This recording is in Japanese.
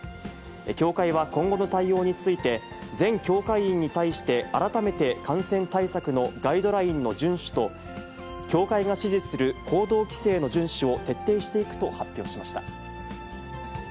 協会は今後の対応について、全協会員に対して改めて感染対策のガイドラインの順守と協会が指示する行動規制の順守を徹底していくと発表しました。